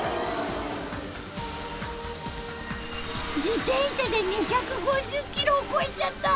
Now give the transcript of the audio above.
自転車で２５０キロを超えちゃった！